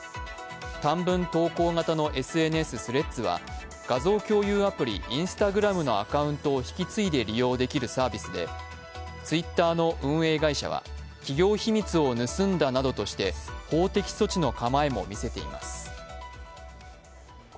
短文投稿型のＳＮＳ・Ｔｈｒｅａｄｓは画像共有アプリ・Ｉｎｓｔａｇｒａｍのアカウントを引き継いで利用できるサービスでＴｗｉｔｔｅｒの運営会社は企業秘密を盗んだなどとして法的措置の構えも見せています。